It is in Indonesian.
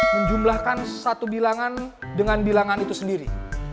menjumlahkan satu bilangan dengan bilangan itu sendiri